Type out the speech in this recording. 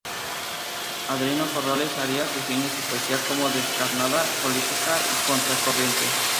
Adriano Corrales Arias define su poesía como descarnada, política y contracorriente.